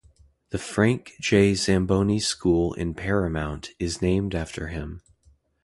The Frank J. Zamboni School, in Paramount, is named after him.